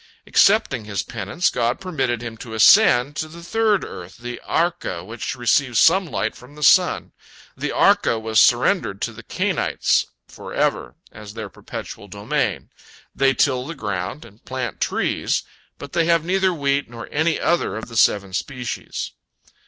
Accepting his penitence, God permitted him to ascend to the third earth, the Arka, which receives some light from the sun. The Arka was surrendered to the Cainites forever, as their perpetual domain. They till the ground, and plant trees, but they have neither wheat nor any other of the seven species.